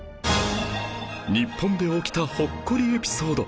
日本で起きたほっこりエピソード